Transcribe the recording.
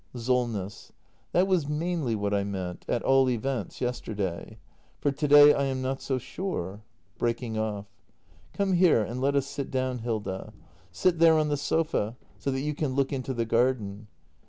Solness. That was mainly what I meant — at all events, yes terday. For to day I am not so sure — [Breaking off.] Come here and let us sit down, Hilda. Sit there on the sofa — so that you can look into the garden.